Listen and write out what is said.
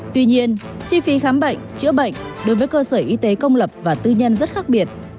tuy nhiên chi phí khám bệnh chữa bệnh đối với cơ sở y tế công lập và tư nhân rất khác biệt